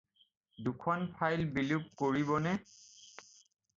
দুখন ফাইল বিলোপ কৰিবনে?